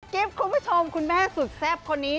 คุณผู้ชมคุณแม่สุดแซ่บคนนี้